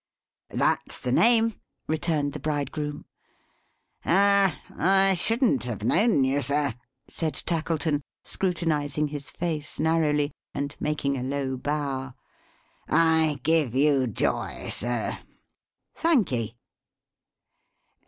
"That's the name," returned the bridegroom. "Ah! I shouldn't have known you Sir," said Tackleton: scrutinizing his face narrowly, and making a low bow. "I give you joy Sir!" "Thank'ee."